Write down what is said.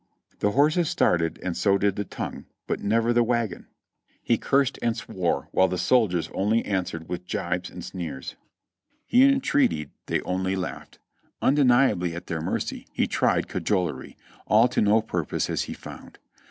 The horses started and so did the tongue, but never the wagon. He cursed and swore, while the soldiers only answered with jibes and sneers. He entreated ; 428 JOHNNY REB AND BILLY YANK they only laughed. Undeniably at their mercy, he tried cajolery, all to no purpose as he found.